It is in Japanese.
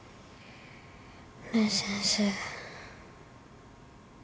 ねえ先生。